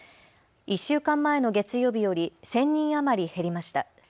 １週間前の月曜日より１０００人余り減りました。